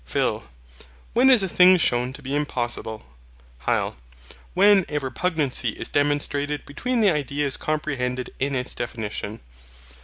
PHIL. . When is a thing shewn to be impossible? HYL. When a repugnancy is demonstrated between the ideas comprehended in its definition.